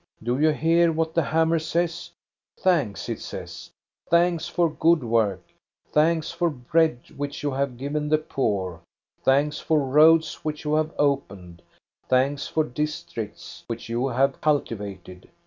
Do you hear what the hammer says ?' Thanks, ' it says ;* thanks for good work; thanks for bread, which you have given the poor; thanks for roads, which you have opened; thanks for districts, which you have culti vated!